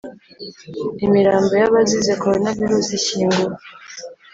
imirambo y’abazize corona virus ishyinguwe